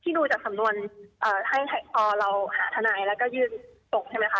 ที่พี่สาวเขาดำเนินการก็คือที่ดูจากสำนวนให้พ่อเราหาทนายแล้วก็ยืนส่งใช่ไหมคะ